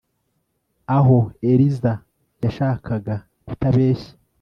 Aho Eliza yashakaga kutabeshya